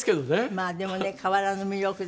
まあでもね変わらぬ魅力で。